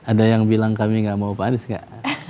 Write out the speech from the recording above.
ada yang bilang kami gak mau pak anies gak